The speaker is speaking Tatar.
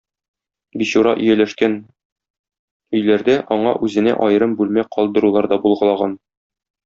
Бичура ияләшкән өйләрдә аңа үзенә аерым бүлмә калдырулар да булгалаган.